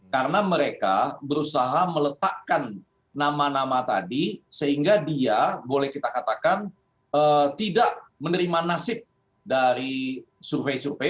karena mereka berusaha meletakkan nama nama tadi sehingga dia boleh kita katakan tidak menerima nasib dari survei survei